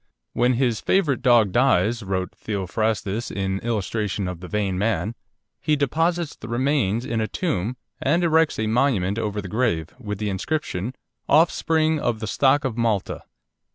"When his favourite dog dies," wrote Theophrastus in illustration of the vain man, "he deposits the remains in a tomb, and erects a monument over the grave, with the inscription, 'Offspring of the stock of Malta.'"